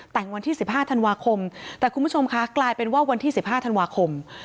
แต่งวันที่๑๕ธันวาคมแต่คุณผู้ชมคะกลายเป็นว่าวันที่๑๕ธันวาคม